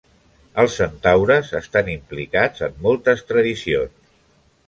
Els centaures estan implicats en moltes tradicions.